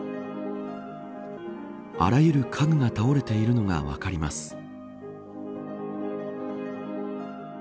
あらゆる家具が倒れているのが分かります。